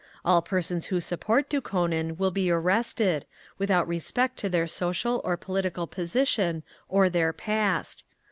All persons who support Dukhonin will be arrested, without respect to their social or political position or their past.